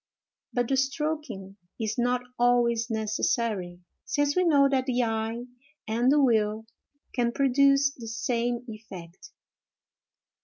But the stroking is not always necessary, since we know that the eye and the will can produce the same effect.